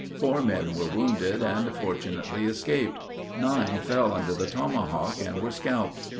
Four men were wounded and fortunately escaped. Nine fell under the tomahawk, and were scalped.